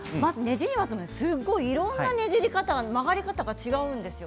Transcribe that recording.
じり松、すごくいろんなねじり方、曲がり方が違うんです。